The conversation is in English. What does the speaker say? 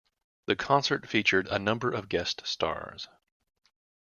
The concert featured a number of guest stars.